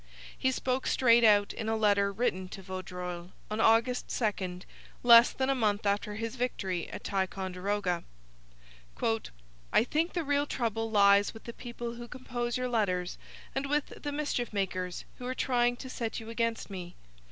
He spoke straight out in a letter written to Vaudreuil on August 2, less than a month after his victory at Ticonderoga: 'I think the real trouble lies with the people who compose your letters, and with the mischief makers who are trying to set you against me.